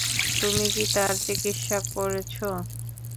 তুমি কি তার চিকিৎসা করেছ?